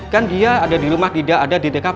kan dia ada di rumah tidak ada di tkp